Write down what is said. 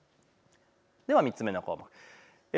では３つ目の項目です。